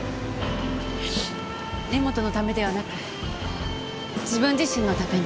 根本のためではなく自分自身のために。